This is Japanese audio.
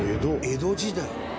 江戸時代？